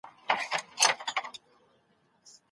که انلاین درس وي نو پوهه نه کمیږي.